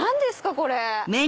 これ。